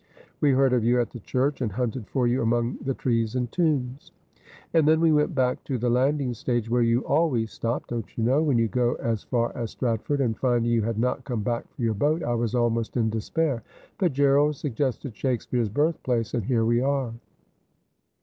We heard of you at the church, and hunted for you among the trees and tombs.' ' And then we went back to the landing stage, where you always stop, don't you know, when you go as far as Stratford, and finding you had not come back for your boat, I was almost in despair. But Gerald suggested Shakespeare's birthplace, and here we are.'